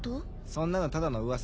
そんなのただの噂。